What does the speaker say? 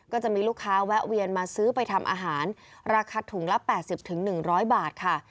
ก็จะมีลูกค้าแวะเวียนมาซื้อไปทำอาหารราคาถุงละ๘๐๑๐๐บาทค่ะ